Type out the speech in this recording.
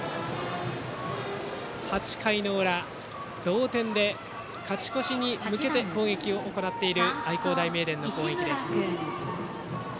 ８回の裏同点で勝ち越しに向けて攻撃を行っている愛工大名電。